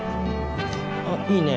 あっいいね。